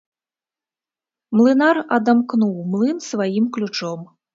Млынар адамкнуў млын сваім ключом.